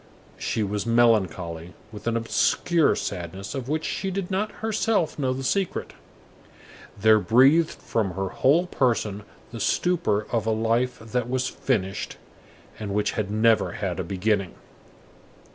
She was melancholy with an obscure sadness of which she did not herself know the secret. There breathed from her whole person the stupor of a life that was finished, and which had never had a beginning.